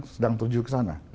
sedang terjun ke sana